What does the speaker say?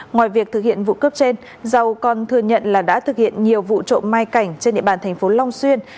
ngoài việc thực hiện vụ cướp trên dầu còn thừa nhận là đã thực hiện nhiều vụ trộm mai cảnh trên địa bàn thành phố long xuyên